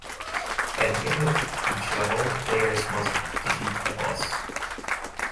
At the end of each level, players must defeat a boss.